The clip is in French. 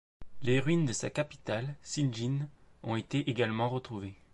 Les ruines de sa capitale, Zijin, ont également été retrouvées.